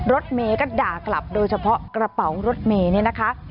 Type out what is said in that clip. รถเมย์ก็ด่ากลับโดยเฉพาะกระเป๋ารถเมย์นี่นะคะ